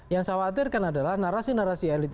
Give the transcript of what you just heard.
yang saya khawatirkan adalah narasi narasi elit